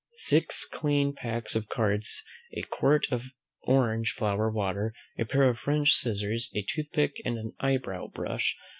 Six clean packs of cards, a quart of orange flower water, a pair of French scissors, a toothpick case, and an eyebrow brush.